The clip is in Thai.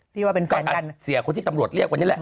ที่ว่าเป็นแฟนกันเสียคนที่ตำรวจเรียกวันนี้แหละ